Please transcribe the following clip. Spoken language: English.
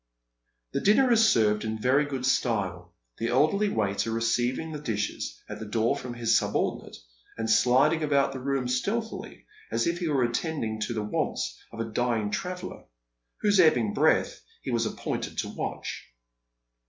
The dinner is served in very good style, the elderly waiter receiving the dishes at the door from his subordinate, and sliding about the room stealthily, as if he were attending to the wants of a dying traveller, whose ebbing breath he was appointed to watch.